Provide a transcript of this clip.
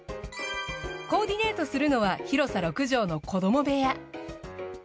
コーディネートするのは広さ６畳の子ども部屋。